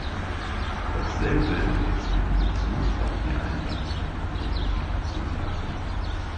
Dasselbe ist in bezug auf die Einwanderungspolitik zu sagen.